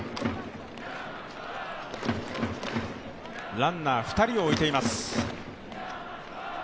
ランナー２人を置いています。